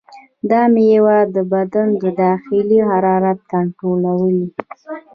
دا میوه د بدن د داخلي حرارت کنټرولوي.